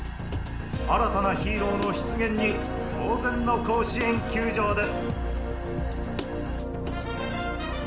新たなヒーローの出現に騒然の甲子園球場です。